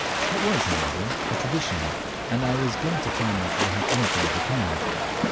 It was, however, a tradition, and I was glad to find they had anything of the kind.